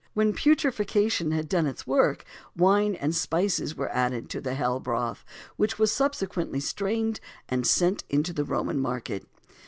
When putrefaction had done its work, wine and spices were added to the hell broth, which was subsequently strained and sent into the Roman market.